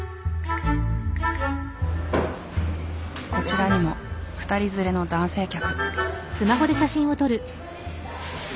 こちらにも２人連れの男性客。